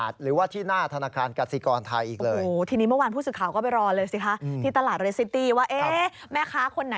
จะได้ทำให้คนไทยทั้งโลก